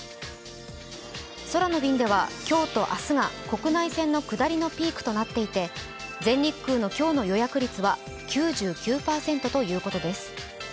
空の便では今日と明日が国内線の下りのピークとなっていて全日空の今日の予約率は９９％ということです。